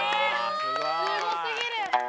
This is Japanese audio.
すごすぎる！